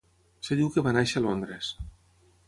Es diu que va néixer a Londres.